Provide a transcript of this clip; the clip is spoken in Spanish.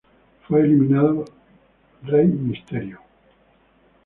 Fue eliminado Rey Mysterio.